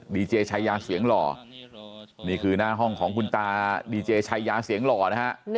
ดีเจชายาเสียงหล่อนี่คือหน้าห้องของคุณตาดีเจชายาเสียงหล่อนะฮะ